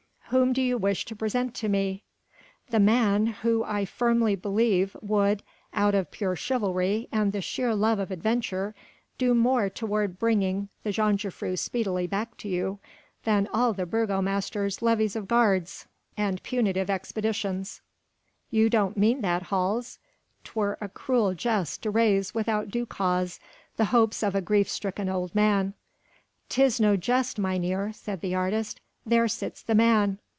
"Whom do you wish to present to me?" "The man who I firmly believe would out of pure chivalry and the sheer love of adventure do more toward bringing the jongejuffrouw speedily back to you than all the burgomaster's levies of guards and punitive expeditions." "You don't mean that, Hals? 'twere a cruel jest to raise without due cause the hopes of a grief stricken old man." "'Tis no jest, mynheer!" said the artist, "there sits the man!"